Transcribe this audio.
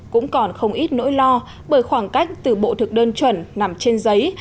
cũng còn không ít nỗi lo bởi khoảng cách từ bộ thực đơn chuẩn nằm trên giấy